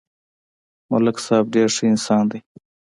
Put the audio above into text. ملک صاحب ډېر ښه انسان دی